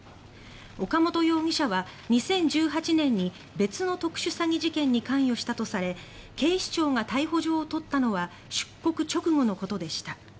岡本容疑者は２０１８年に別の特殊詐欺事件に関与したとされ警視庁が逮捕状を取ったのは出国直後のことでした。